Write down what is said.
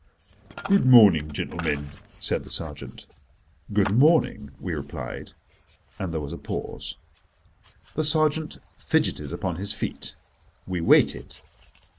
"Good morning, gentlemen," said the sergeant. "Good morning," we replied: and there was a pause. The sergeant fidgetted upon his feet. We waited.